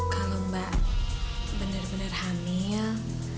kalau mbak bener bener hamil